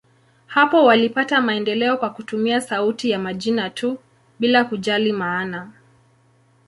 Hapo walipata maendeleo kwa kutumia sauti ya majina tu, bila kujali maana.